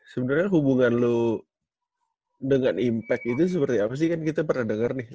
sebenernya hubungan lu dengan impact itu seperti apa sih kan kita pernah denger nih